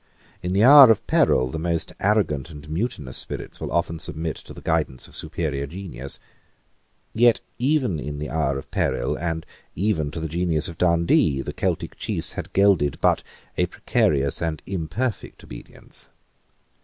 In the hour of peril, the most arrogant and mutinous spirits will often submit to the guidance of superior genius. Yet, even in the hour of peril, and even to the genius of Dundee, the Celtic chiefs had gelded but a precarious and imperfect obedience.